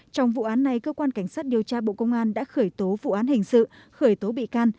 trong vụ án này cơ quan cảnh sát điều tra bộ công an đã khởi tố vụ án hình sự khởi tố bị can